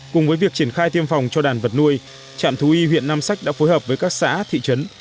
cùng với việc triển khai tiêm phòng cho đàn vật nuôi trạm thú y huyện nam sách đã phối hợp với các xã thị trấn